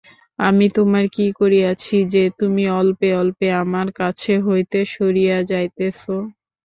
আমি তোমার কী করিয়াছি যে, তুমি অল্পে অল্পে আমার কাছ হইতে সরিয়া যাইতেছ?